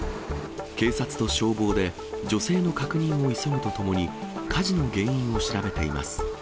警察と消防で、女性の確認を急ぐとともに、火事の原因を調べています。